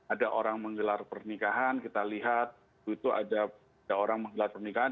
ada orang menggelar pernikahan kita lihat itu ada orang menggelar pernikahan